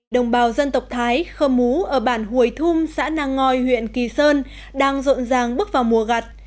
đồng bào dân tộc thái khơ mú ở bản hồi thum xã nang ngòi huyện kỳ sơn đang rộn ràng bước vào mùa gặt